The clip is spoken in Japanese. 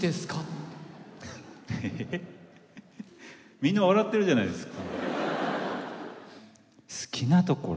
みんな笑ってるじゃないですか。